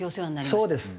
そうです。